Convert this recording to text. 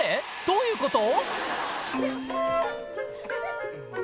どういうこと？